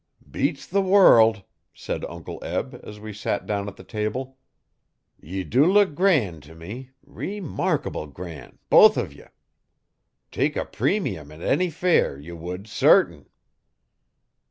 'Beats the world!' said Uncle Eb, as we sat down at the table. 'Ye do look gran' to me ree markable gran', both uv ye. Tek a premium at any fair ye would sartin.'